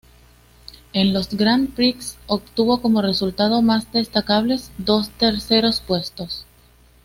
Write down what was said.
En los Grand Prix, obtuvo como resultados más destacables dos terceros puestos.